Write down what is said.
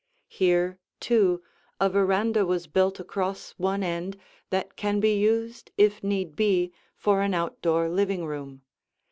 Here, too, a veranda was built across one end that can be used if need be for an outdoor living room.